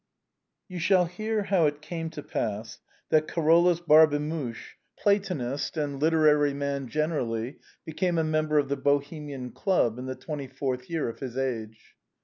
You shall hear how it came to pass that Carolus Barbe muche, platonist and literary man generally, became a member of the Bohemian Club, in the twenty fourth year of his age.